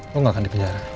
lu gak akan dipenjara